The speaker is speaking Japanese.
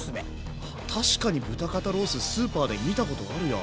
確かに豚肩ローススーパーで見たことあるや。